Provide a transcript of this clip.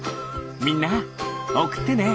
みんなおくってね！